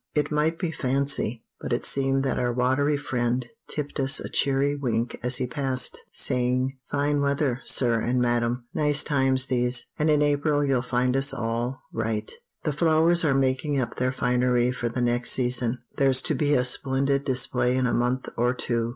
It might be fancy, but it seemed that our watery friend tipped us a cheery wink as he passed, saying, "Fine weather, sir and madam; nice times these; and in April you'll find us all right; the flowers are making up their finery for the next season; there's to be a splendid display in a month or two."